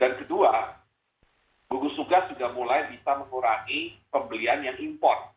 dan kedua gugus tugas sudah mulai bisa mengurangi pembelian yang import